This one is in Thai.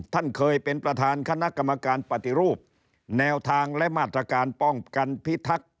ท่านเคยเป็นประธานคณะกรรมการปฏิรูปแนวทางและมาตรการป้องกันพิทักษ์